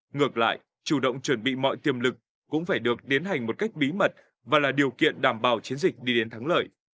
ngược lại chủ động chuẩn bị mọi tiềm lực cũng phải được tiến hành một cách bí mật và là điều kiện đảm bảo chiến dịch đi đến thắng lợi